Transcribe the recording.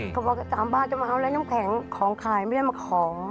เขาบอก๓บาทจะมาเอาอะไรน้ำแข็งของขายไม่ได้มาของ